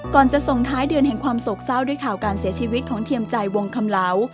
จะส่งท้ายเดือนแห่งความโศกเศร้าด้วยข่าวการเสียชีวิตของเทียมใจวงคำเหลา